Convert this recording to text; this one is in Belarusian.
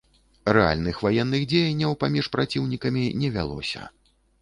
Рэальных ваенных дзеянняў паміж праціўнікамі не вялося.